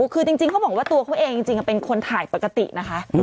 คือจริงเขาบอกว่าตัวเขาเองจริงเป็นคนถ่ายปกตินะคะ